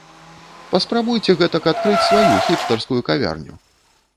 Паспрабуйце гэтак адкрыць сваю хіпстарскую кавярню!